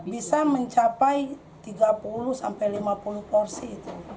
bisa mencapai tiga puluh sampai lima puluh porsi itu